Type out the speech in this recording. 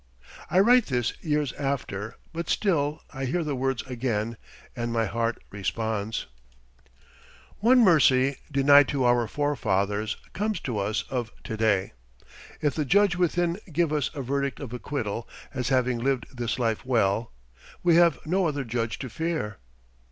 I write this years after, but still I hear the words again and my heart responds. One mercy, denied to our forefathers, comes to us of to day. If the Judge within give us a verdict of acquittal as having lived this life well, we have no other Judge to fear.